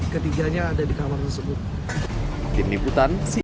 ketiganya ada di kamar tersebut